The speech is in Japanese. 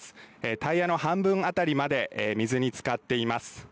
タイヤの半分辺りまで水につかっています。